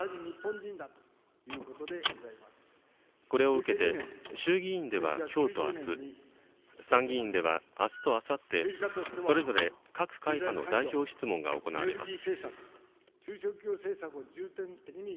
これを受けて、衆議院ではきょうとあす、参議院ではあすとあさって、それぞれ各会派の代表質問が行われます。